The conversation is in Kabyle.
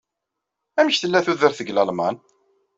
Amek tella tudert deg Lalman?